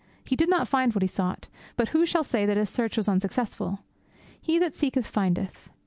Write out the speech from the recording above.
He did not find what he sought, but who shall say that his search was unsuccessful? He that seeketh, findeth.